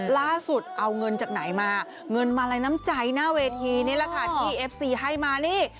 ล่าสุดเอาเงินจากไหนมาเงินมาลัยน้ำใจหน้าเวทีนี่แหละค่ะที่เอฟซีให้มานี่